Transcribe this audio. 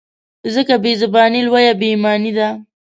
ځکه بې زباني لویه بې ایماني ده.